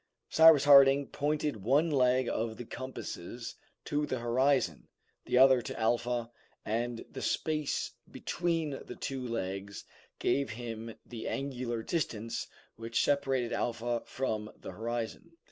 Cyrus Harding pointed one leg of the compasses to the horizon, the other to Alpha, and the space between the two legs gave him the angular distance which separated Alpha from the horizon.